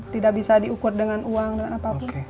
tidak bisa diukur dengan uang dan apapun